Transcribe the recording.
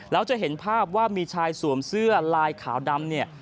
แล้วจะเห็นภาพว่ามีชายสวมเสื้อลายขาวดำเนี่ย